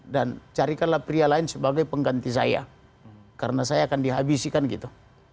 dan carikanlah pria lain sebagai pengganti saya karena saya akan dihabiskan gitu